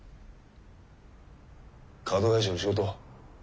カード会社の仕事。